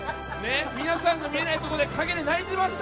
皆さんが見えないところで陰で泣いていました。